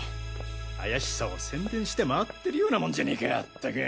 怪しさを宣伝して回ってるようなもんじゃねぇか全く。